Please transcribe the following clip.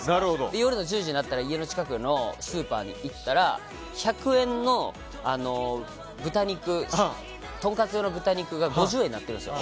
夜の１０時になったら家の近くのスーパーに行ったら１００円のとんかつ用の豚肉が５０円になってるんですよ。